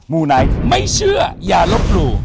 มูไนท์ไม่เชื่ออย่ารับรู้